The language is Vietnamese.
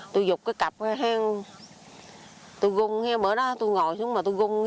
tôi dục cái cặp ra tôi gung bữa đó tôi ngồi xuống mà tôi gung